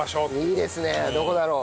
いいですねどこだろう？